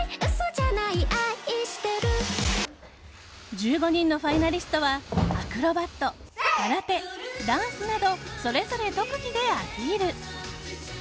１５人のファイナリストはアクロバット、空手、ダンスなどそれぞれ特技でアピール。